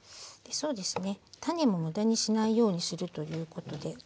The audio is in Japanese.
そうですね。